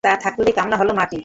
তা থাকলেই কামনা হল মাটি।